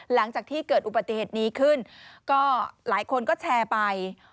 หลังจากที่เกิดอุบัติเหตุนี้ขึ้นก็หลายคนก็แชร์ไป